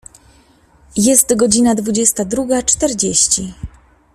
Jest godzina dwudziesta druga czterdzieści.